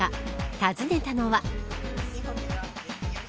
訪ねたのは。